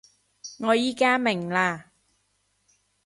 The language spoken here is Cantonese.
我而家明喇